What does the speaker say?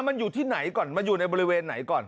มันอยู่ที่ไหนก่อนมันอยู่ในบริเวณไหนก่อน